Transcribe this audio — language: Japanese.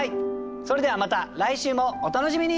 それではまた来週もお楽しみに！